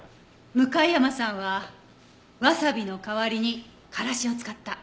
向山さんはワサビの代わりにからしを使った。